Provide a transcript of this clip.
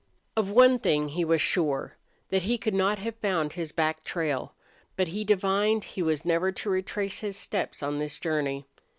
Of one thing he was sure that he could not have found his back trail. But he divined he was never to retrace his steps on this journey.